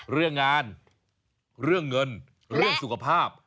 เรื่องงานเรื่องเงินเรื่องสุขภาพ